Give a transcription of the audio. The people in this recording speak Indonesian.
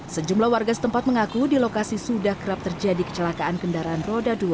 sejumlah warga setempat mengaku di lokasi sudah kerap terjadi kecelakaan kendaraan roda dua